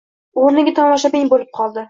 O‘rniga tomoshabin bo‘lib qoldi.